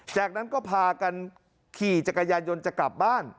จากนั้นก็พากันขี่จักรยานยนต์จะกลับบ้าน